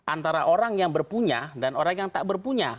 antara orang yang berpunya dan orang yang tak berpunya